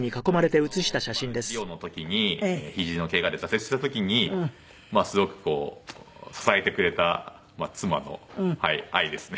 リオの時にひじのけがで挫折した時にすごく支えてくれた妻の愛ですね。